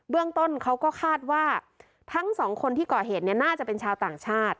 เรื่องต้นเขาก็คาดว่าทั้งสองคนที่ก่อเหตุเนี่ยน่าจะเป็นชาวต่างชาติ